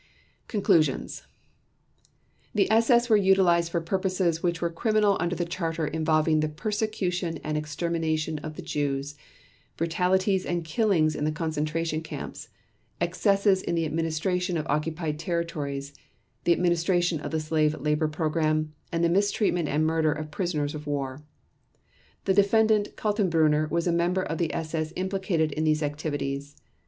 Conclusions: The SS was utilized for purposes which were criminal under the Charter involving the persecution and extermination of the Jews, brutalities and killings in concentration camps, excesses in the administration of occupied territories, the administration of the slave labor program and the mistreatment and murder of prisoners of war. The Defendant Kaltenbrunner was a member of the SS implicated in these activities.